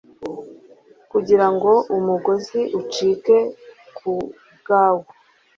kugirango umugozi ucike kubwawo